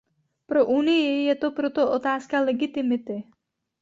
Pro Unii je to proto otázka legitimity.